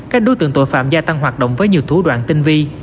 các đối tượng tội phạm gia tăng hoạt động với nhiều thủ đoạn tinh vi